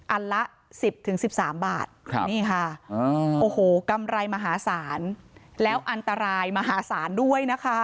ละ๑๐๑๓บาทนี่ค่ะโอ้โหกำไรมหาศาลแล้วอันตรายมหาศาลด้วยนะคะ